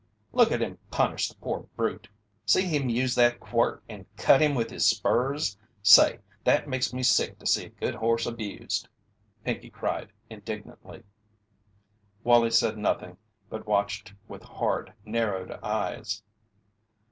"Look at him punish the poor brute! See him use that quirt and cut him with his spurs! Say, that makes me sick to see a good horse abused!" Pinkey cried, indignantly. Wallie said nothing but watched with hard, narrowed eyes.